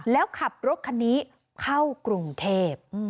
แล้วขับรถคันนี้เข้ากรุงเทพ